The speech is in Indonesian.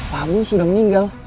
pak abul sudah meninggal